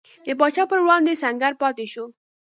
د پاچا پر وړاندې سنګر پاتې شو.